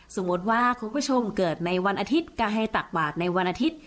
สมมุติว่าคุณผู้ชมเกิดในวันอาทิตย์ก็ให้ตักบาทในวันอาทิตย์